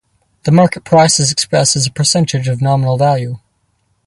The market price is expressed as a percentage of nominal value.